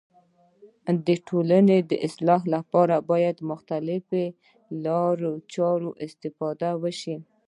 د ټولني د اصلاح لپاره باید د مختلیفو لارو چارو استفاده وسي.